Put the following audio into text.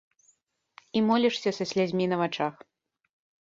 І молішся са слязьмі на вачах.